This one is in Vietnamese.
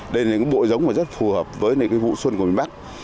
đây là những bộ giống rất phù hợp với vụ xuân của miền bắc